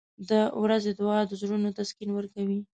• د ورځې دعا د زړونو تسکین ورکوي.